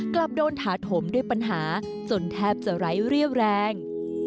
กลับโดนถาถมด้วยปัญหาจนแทบจะไร้เรี่ยวแรง